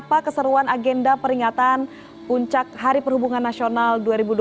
apa keseruan agenda peringatan puncak hari perhubungan nasional dua ribu dua puluh